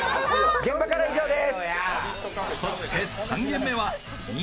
現場からは以上でーす。